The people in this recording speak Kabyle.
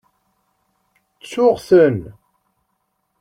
Ttuɣ-ten.